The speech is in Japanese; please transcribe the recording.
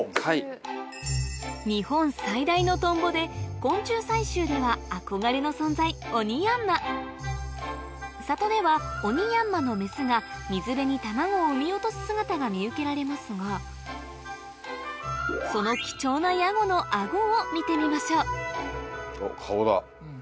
日本最大のトンボで昆虫採集では憧れの存在里ではオニヤンマのメスが水辺に卵を産み落とす姿が見受けられますがその貴重なヤゴのアゴを見てみましょうおっ顔だ。